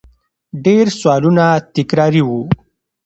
ډېر سوالونه تکراري وو